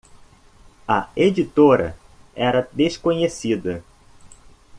A editora era desconhecida.